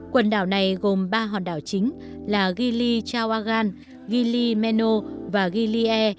quần đảo này gồm ba hòn đảo chính là gili chawagan gili meno và gili e